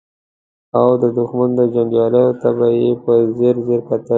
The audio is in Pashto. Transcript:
او د دښمن جنګياليو ته به يې په ځير ځير کتل.